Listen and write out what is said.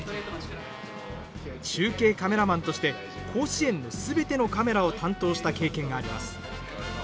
中継カメラマンとして甲子園のすべてのカメラを担当した経験があります。